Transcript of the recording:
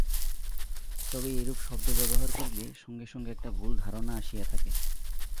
তবে এইরূপ শব্দ ব্যবহার করিলে সঙ্গে সঙ্গে একটা ভুল ধারণা আসিয়া থাকে।